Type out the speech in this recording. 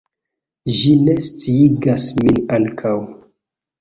Ĝi ne sciigas min ankaŭ!